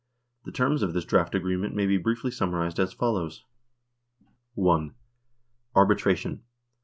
The terms of this draft agreement may be briefly summarised as follows : i. Arbitration.